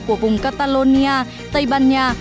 của vùng catalonia tây ban nha